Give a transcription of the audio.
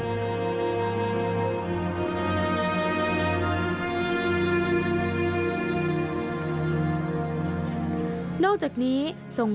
ส่งผู้หญิงมาที่นี่